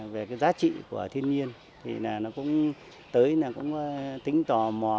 về cái giá trị của thiên nhiên thì nó cũng tới nó cũng tính tò mò